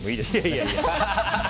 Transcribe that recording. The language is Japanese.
いやいや。